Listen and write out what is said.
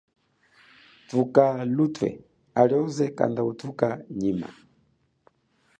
Thuka luthe halioze kanda uthuka nyima.